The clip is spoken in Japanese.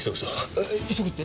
え急ぐって？